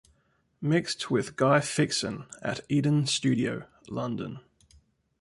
Mixed with Guy Fixsen at Eden Studio, London.